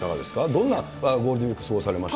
どんなゴールデンウィーク過ごされました？